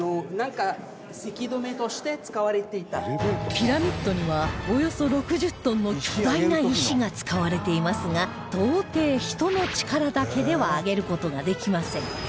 ピラミッドにはおよそ６０トンの巨大な石が使われていますが到底人の力だけでは上げる事ができません